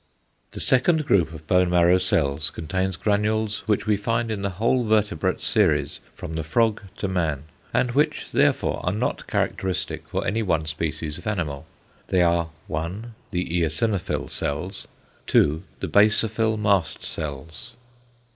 The second group of bone marrow cells contains granules which we find in the whole vertebrate series from the frog to man, and which therefore are not characteristic for any one species of animal. They are, (1) the eosinophil cells, (2) the basophil mast cells.